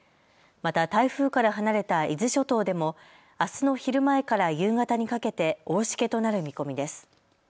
また台風から離れた伊豆諸島でもあすの昼前から夕方にかけて大しけとなる見込みです。